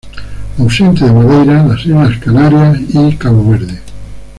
Ausente de Madeira, las Islas Canarias y Cabo Verde.